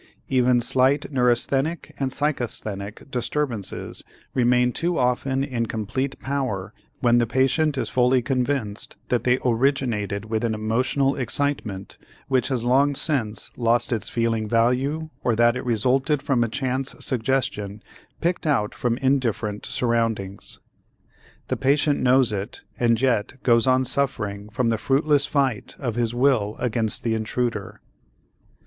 Even slight neurasthenic and psychasthenic disturbances remain too often in complete power when the patient is fully convinced that they originated with an emotional excitement which has long since lost its feeling value or that it resulted from a chance suggestion picked out from indifferent surroundings. The patient knows it and yet goes on suffering from the fruitless fight of his will against the intruder.